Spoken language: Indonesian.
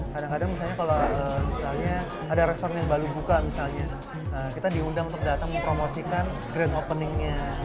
kadang kadang misalnya ada restoran yang baru buka kita diundang kita datang untuk mempromosikan grand opening nya